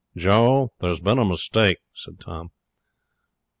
'Joe, there's been a mistake,' said Tom.